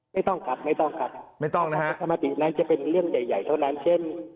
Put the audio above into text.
ไม่ต้องครับไม่ต้องครับประชามตินั้นจะเป็นเรื่องใหญ่เท่านั้นเช่น